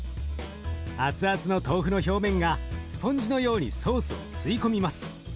熱々の豆腐の表面がスポンジのようにソースを吸い込みます。